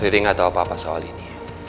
riri gak tau apa apa soal ini